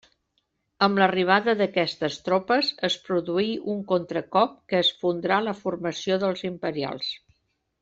Amb l'arribada d'aquestes tropes es produí un contracop que esfondrà la formació dels imperials.